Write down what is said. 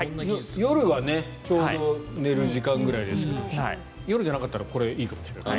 夜はちょうど寝る時間ぐらいですけど夜じゃなかったらこれ、いいかもしれない。